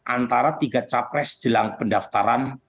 antara tiga capres jelang pendaftaran